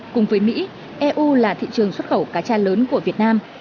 cùng với mỹ eu là thị trường xuất khẩu cá tra lớn của việt nam